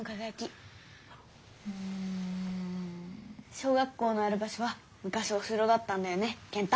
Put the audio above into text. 小学校のある場所はむかしお城だったんだよね健太。